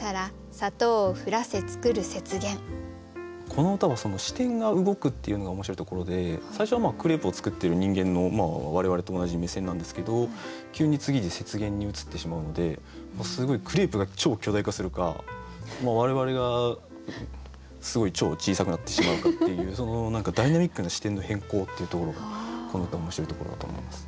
この歌は視点が動くっていうのが面白いところで最初はクレープを作ってる人間の我々と同じ目線なんですけど急に次で雪原に移ってしまうのですごいクレープが超巨大化するか我々がすごい超小さくなってしまうかっていうそのダイナミックな視点の変更っていうところがこの歌の面白いところだと思います。